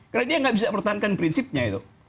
karena dia gak bisa bertahankan prinsipnya